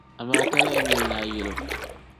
Amaa talahi n-nyɛ li ni a yɛli o.